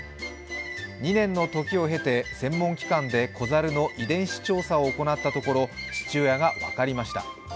２年の時を経て専門機関で子猿の遺伝子調査を行ったところ父親が分かりました。